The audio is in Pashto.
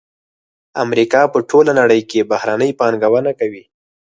امریکا په ټوله نړۍ کې بهرنۍ پانګونه کوي